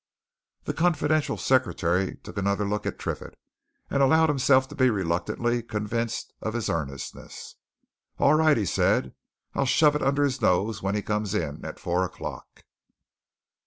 The confidential secretary took another look at Triffitt, and allowed himself to be reluctantly convinced of his earnestness. "All right!" he said. "I'll shove it under his nose when he comes in at four o'clock."